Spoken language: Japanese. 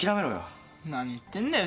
何言ってんだよ